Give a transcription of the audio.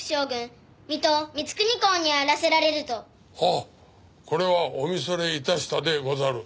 ああこれはお見それ致したでござる。